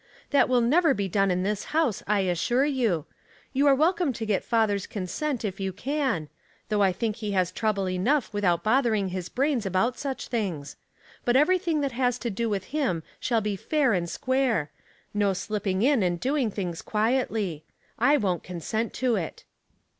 That will never be done in this house, I assure you. You are welcome to get father's consent if you can, though I think he has trouble enough with out bothering his brains about such things; but everything that has to do with him shall be fair and square — no slipping in and doing things quietly. I won't consent to it."